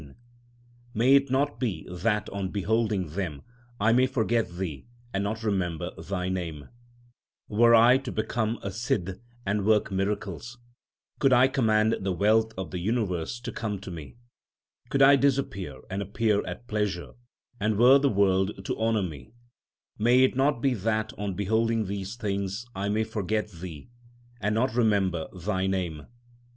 2 Ramkali. 80 THE SIKH RELIGION May it not be that on beholding them I may forget Thee and not remember Thy name I Were I to become a Sidh and work miracles ; could I command the wealth of the universe to come to me ; Could I disappear and appear at pleasure, and were the world to honour me ; May it not be that on beholding these things I may forget Thee and not remember Thy name